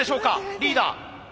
リーダー。